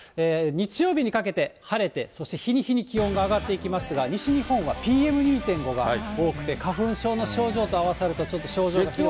日曜日にかけて晴れて、そして日に日に気温が上がっていきますが、西日本はＰＭ２．５が多くて、花粉症の症状と合わさるとちょっと症状が。